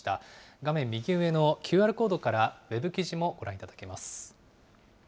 画面右上のＱＲコードからウェブ記事もご覧いただけます。